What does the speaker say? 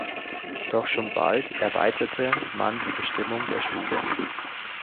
Doch schon bald erweiterte man die Bestimmung der Schule.